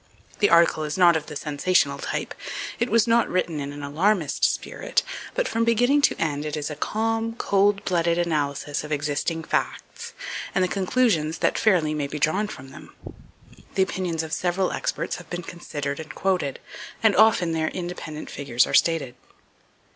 The article is not of the sensational type, it was not written in an alarmist spirit, but from beginning to end it is a calm, cold blooded analysis of existing facts, and the conclusions that fairly may be drawn from them. The opinions of several experts have been considered and quoted, and often their independent figures are stated.